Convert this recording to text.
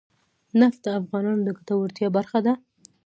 نفت د افغانانو د ګټورتیا برخه ده.